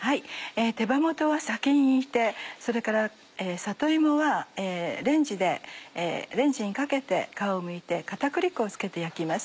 手羽元は先に煮てそれから里芋はレンジにかけて皮をむいて片栗粉を付けて焼きます。